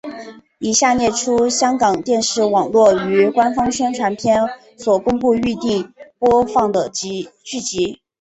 以下列出香港电视网络于官方宣传片所公布预定播放的剧集。